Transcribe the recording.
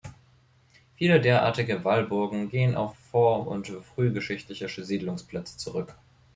Viele derartige Wallburgen gehen auf vor- und frühgeschichtliche Siedlungsplätze zurück.